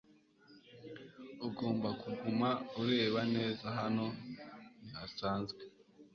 Ugomba kuguma ureba neza hano ntihasanzwe